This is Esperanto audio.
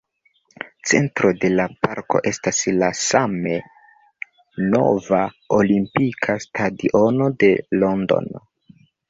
Centro de la parko estas la same nova Olimpika Stadiono de Londono.